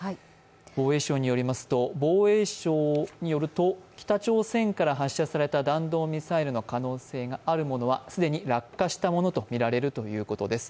防衛省によりますと、北朝鮮から発射された弾道ミサイルの可能性があるものは既に落下したものとみられるということです。